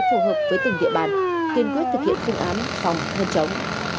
phù hợp với tỉnh địa bàn tuyên quyết thực hiện phương án phòng hơn chống